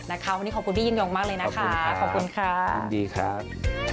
วันนี้ขอบคุณพี่ยิ่งยงมากเลยนะคะขอบคุณค่ะยินดีครับ